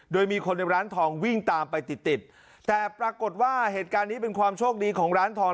โดยมีคนในร้านทองวิ่งตามไปติดติดแต่ปรากฏว่าเหตุการณ์นี้เป็นความโชคดีของร้านทอง